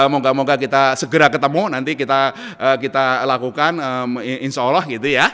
moga moga kita segera ketemu nanti kita lakukan insya allah gitu ya